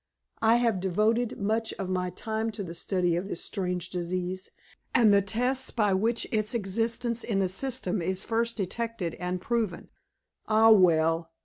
I have devoted much of my time to the study of this strange disease and the tests by which its existence in the system is first detected and proven. Ah, well!"